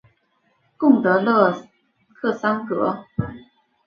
贡德勒克桑格。